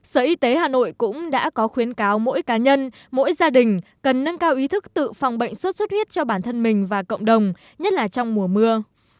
sở y tế hà nội cũng đã có khuyến cáo mỗi cá nhân mỗi gia đình cần nâng cao ý thức tự phòng bệnh sốt xuất huyết cho bản thân mình và cộng đồng nhất là trong mùa mưa